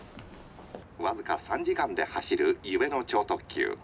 「僅か３時間で走る夢の超特急」。